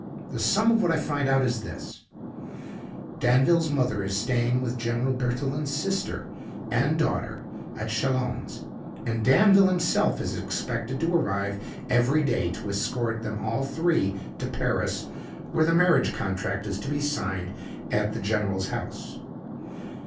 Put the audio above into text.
The sum of what I find out is this: Danville's mother is staying with General Berthelin's sister and daughter at Chalons, and Danville himself is expected to arrive every day to escort them all three to Paris, where the marriage contract is to be signed at the general's house.